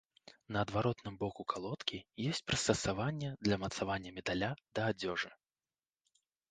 На адваротным боку калодкі ёсць прыстасаванне для мацавання медаля да адзежы.